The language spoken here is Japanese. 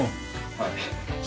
はい。